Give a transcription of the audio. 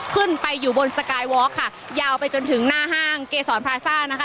ขึ้นไปอยู่บนสกายวอร์กค่ะยาวไปจนถึงหน้าห้างเกษรพราซ่านะคะ